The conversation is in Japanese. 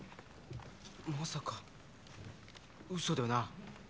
まさか嘘だよな？